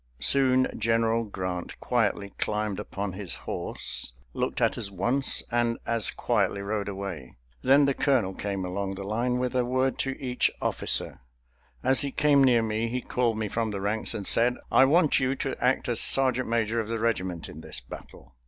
Soon General Grant quietly climbed upon his horse, looked at us once, and as quietly rode away. Then the colonel came along the line with a word to each officer. As he came near me he called me from the ranks and said: "I want you to act as sergeant major of the regiment in this battle."